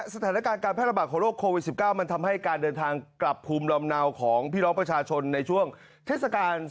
สถานการณ์การแพทย์ระบาดของโรคโควิด๑๙